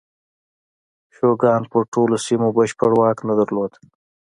شوګان پر ټولو سیمو بشپړ واک نه درلود.